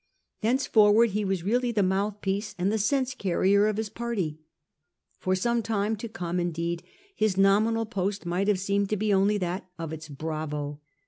Thenceforward he was really the mouthpiece and the sense carrier of his party. For some time to come indeed his nominal post might have seemed to be only that of its bravo.